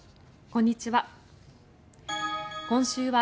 こんにちは。